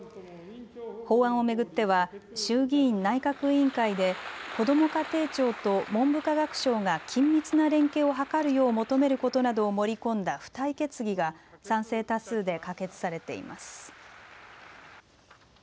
法案を巡っては衆議院内閣委員会でこども家庭庁と文部科学省が緊密な連携を図るよう求めることなどを盛り込んだ付帯決議が賛成多数で可決されています。